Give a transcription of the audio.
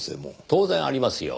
当然ありますよ。